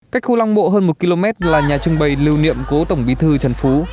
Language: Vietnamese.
cách khu long bộ hơn một km là nhà trưng bày lưu niệm cố tổng bí thư trần phú